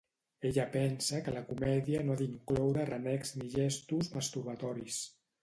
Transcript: Ella pensa que la comèdia no ha d'incloure renecs ni gestos masturbatoris.